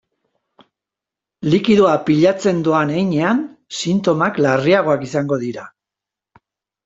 Likidoa pilatzen doan heinean, sintomak larriagoak izango dira.